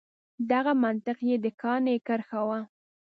دغه منطق یې د کاڼي کرښه وه.